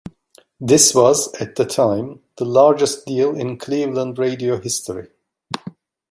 This was, at the time, the largest deal in Cleveland radio history.